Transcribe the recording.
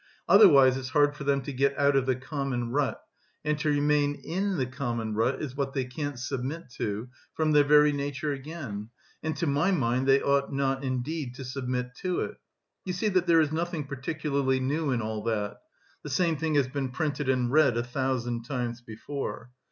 Otherwise it's hard for them to get out of the common rut; and to remain in the common rut is what they can't submit to, from their very nature again, and to my mind they ought not, indeed, to submit to it. You see that there is nothing particularly new in all that. The same thing has been printed and read a thousand times before.